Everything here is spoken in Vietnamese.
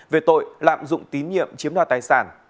về tội lạm dụng tín nhiệm chiếm đoạt tài sản